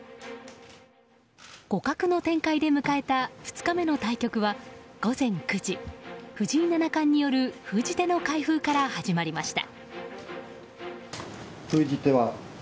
互角の展開で迎えた２日目の対局は午前９時藤井七冠による封じ手の開封から始まりました。